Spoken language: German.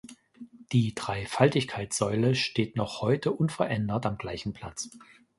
Die Dreifaltigkeitssäule steht noch heute unverändert am gleichen Platz.